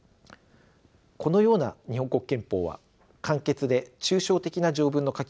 このような日本国憲法は簡潔で抽象的な条文の書きぶりをしています。